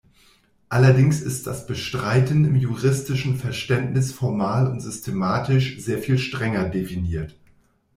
Allerdings ist das Bestreiten im juristischen Verständnis formal und systematisch sehr viel strenger definiert.